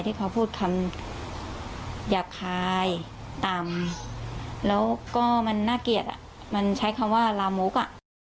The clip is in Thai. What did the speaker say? ที่เขาพูดคำหยาบคายต่ำแล้วก็มันน่าเกลียดอ่ะมันใช้คำว่าลามก